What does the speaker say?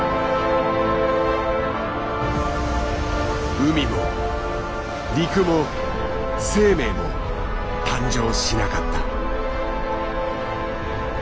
海も陸も生命も誕生しなかった。